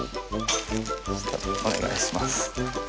お願いします。